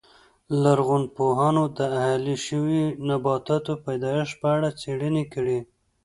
لرغونپوهانو د اهلي شویو نباتاتو پیدایښت په اړه څېړنې کړې